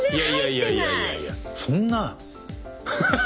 いやいやいやいやそんな。